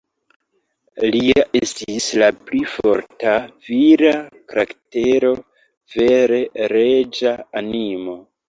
Lia estis la pli forta, vira karaktero; vere reĝa animo.